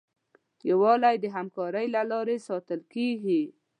یووالی د همکارۍ له لارې ساتل کېږي.